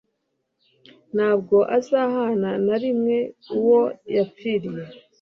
Ntabwo azahana na rimwe uwo yapfiriye.